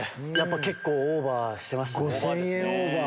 結構オーバーしてましたね。